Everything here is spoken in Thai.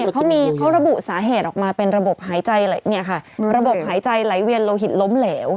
เขาระบุสาเหตุออกมาเป็นระบบหายใจระบบหายใจไหลเวียนโลหิตล้มเหลว